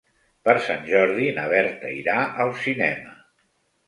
Per Sant Jordi na Berta irà al cinema.